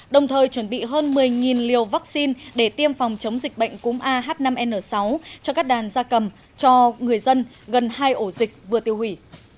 đồng thời chuẩn bị hơn một mươi liều vaccine để tiêm phòng chống dịch bệnh cúm ah năm n sáu cho các đàn da cầm cho người dân gần hai ổ dịch vừa tiêu hủy